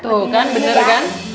tuh kan bener kan